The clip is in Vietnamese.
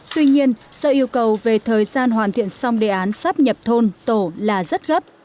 tuy nhiên do yêu cầu về thời gian hoàn thiện xong đề án sắp nhập thôn tổ là rất gấp